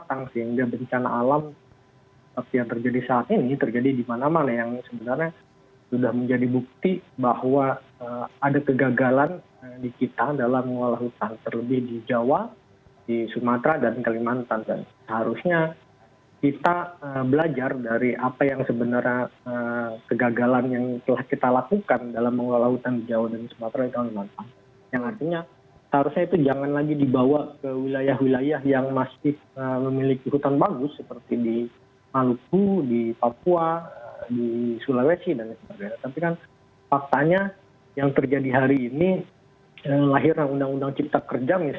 apakah anda sudah memberikan masukan seperti ini kepada klhk